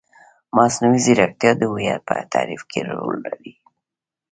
مصنوعي ځیرکتیا د هویت په تعریف کې رول لري.